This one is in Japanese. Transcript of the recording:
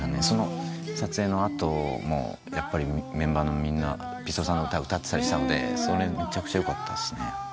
その撮影の後もやっぱりメンバーのみんなピストルさんの歌歌ってたりしたのでめちゃくちゃよかったですね。